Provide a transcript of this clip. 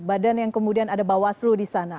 badan yang kemudian ada bawaslu di sana